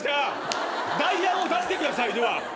代案を出してくださいでは。